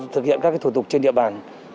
thực hiện các thủ tục trên địa bàn